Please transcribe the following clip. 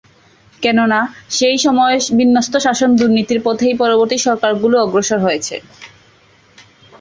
কেননা, সেই সময় বিন্যস্ত শাসন দুর্নীতির পথেই পরবর্তী সরকারগুলোও অগ্রসর হয়েছে।